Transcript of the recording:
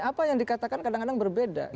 apa yang dikatakan kadang kadang berbeda